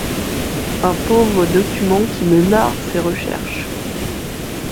Un pauvre document qui me narre ses recherches.